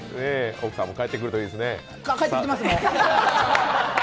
奥さんも帰ってくるといいですね。